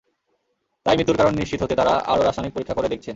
তাই মৃত্যুর কারণ নিশ্চিত হতে তাঁরা আরও রাসায়নিক পরীক্ষা করে দেখছেন।